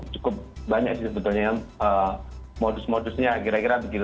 cukup banyak sih sebetulnya modus modusnya kira kira begitu